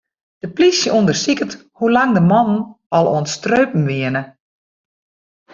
De plysje ûndersiket hoe lang de mannen al oan it streupen wiene.